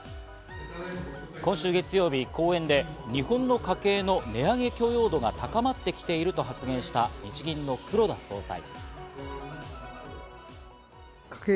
今週月曜日、講演で日本の家計の値上げ許容度が高まってきていると発言した日銀の黒田総裁。